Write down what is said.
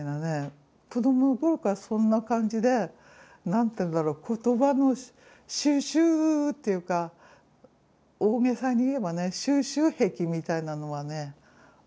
子どもの頃からそんな感じで何て言うんだろ言葉の収集っていうか大げさに言えばね収集癖みたいなのはねありましたね。